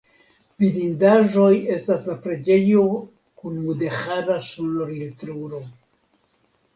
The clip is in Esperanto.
Vidindaĵoj estas la preĝejo kun mudeĥara sonorilturo.